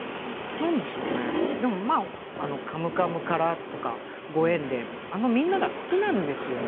なんでしょう「カムカム」からとか、ご縁でみんなが好きなんですよね。